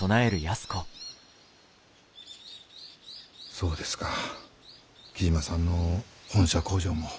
そうですか雉真さんの本社工場も。